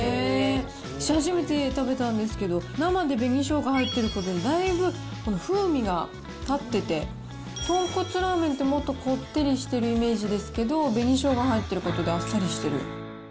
私初めて食べたんですけど、生の紅しょうが入っていることで、だいぶ風味が立ってて、豚骨ラーメンって、もっとこってりしてるイメージですけど、紅しょうが入っていることであっさりしてる。